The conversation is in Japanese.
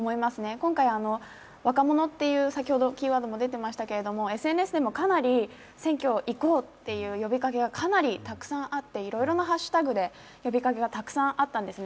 今回、若者というキーワードが出てましたけどＳＮＳでも、かなり、選挙に行こうっていう呼びかけがあっていろいろなハッシュタグで呼びかけがたくさんあったんですね。